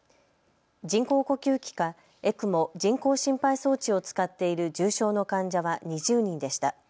人工呼吸器かＥＣＭＯ・人工心肺装置を使っている重症の患者は２０人でした。